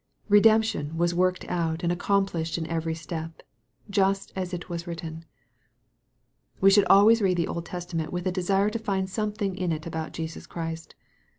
Redemption was worked out and accomplished in every step, just "as it was written." We should always read the Old Testament with a desirn to find something in it about Jesus Christ.